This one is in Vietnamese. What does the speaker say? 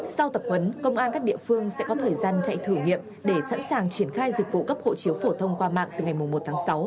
sau tập huấn công an các địa phương sẽ có thời gian chạy thử nghiệm để sẵn sàng triển khai dịch vụ cấp hộ chiếu phổ thông qua mạng từ ngày một tháng sáu